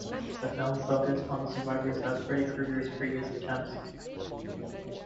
The film focused on the survivors of Freddy Krueger's previous attempts.